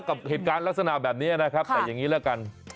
กับเหตุการณ์ลักษณะแบบนี้นะครับแต่อย่างนี้ละกัน